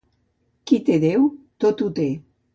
Qui té a Déu, tot ho té.